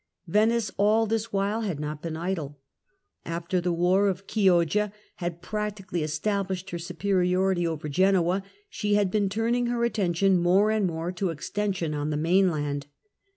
Venice all this while had not been idle. After the Advance of V^GIliC6 Oil War of Chioggia had practically established her superi the maiu ority over Genoa, she had been turning her attention ^'^'^'^ more and more to extension on the mainland.